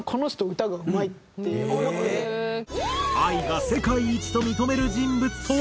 ＡＩが世界一と認める人物とは？